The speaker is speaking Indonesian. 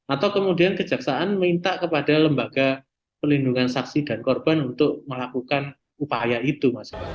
atau kemudian kejaksaan minta kepada lembaga pelindungan saksi dan korban untuk melakukan upaya itu